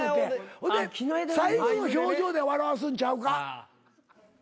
ほんで最後の表情で笑わすんちゃうか？